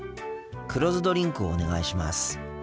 黒酢ドリンクをお願いします。